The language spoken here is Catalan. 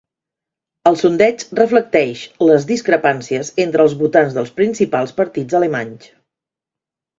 El sondeig reflecteix les discrepàncies entre els votants dels principals partits alemanys.